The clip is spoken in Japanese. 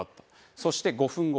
そして５分後。